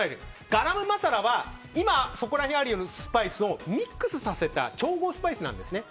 ガラムマサラは今、そこら辺にあるスパイスをミックスさせた調合スパイスなんですね。